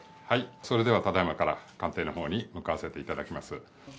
それではただいまから、官邸のほうに向かわせていただきます。